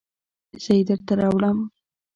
زه یې درته راوړم